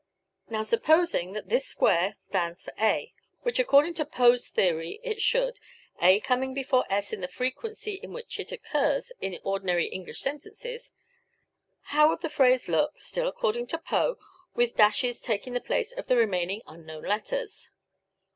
Now supposing that this square stands for a, which according to Poe's theory it should, a coming before s in the frequency in which it occurs in ordinary English sentences, how would the phrase look (still according to Poe) with dashes taking the place of the remaining unknown letters?